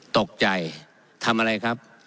ตกใจทำอะไรครับ